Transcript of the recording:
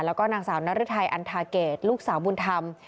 แล้วก็นางสาวนรึทัยอันทาเกตลูกสาวบุญธรรม